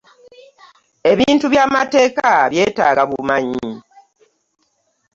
Ebintu by'amateeka byetaaga bumanyi.